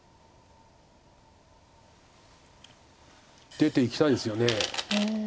出ていきたいですよね。